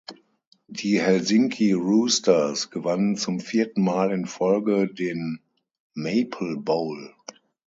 Die Helsinki Roosters gewannen zum vierten Mal in Folge den Maple Bowl.